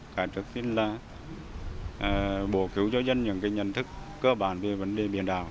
cả chức xin là bổ cứu cho dân những nhận thức cơ bản về vấn đề biển đảo